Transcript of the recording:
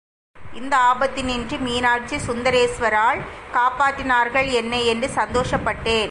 இந்த ஆபத்தினின்றும் மீனாட்சி சுந்தரேஸ்வராள் காப்பாற்றினார்கள் என்னை, என்று சந்தோஷப்பட்டேன்.